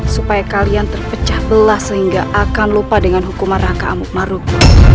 supaya kalian terpecah belah sehingga akan lupa dengan hukuman rangka amuk marut